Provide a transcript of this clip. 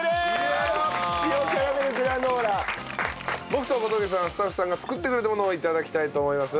僕と小峠さんはスタッフさんが作ってくれたものを頂きたいと思います。